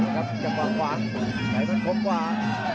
ครับจับมันขวาไหลมันคลบกว่า